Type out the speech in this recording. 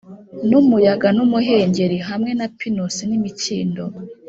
numuyaga n'umuhengeri, hamwe na pinusi n'imikindo;